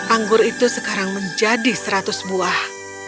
anggur itu sekarang menjadi seratus buah